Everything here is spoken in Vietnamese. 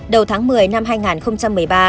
đầu tháng một mươi năm hai nghìn một mươi ba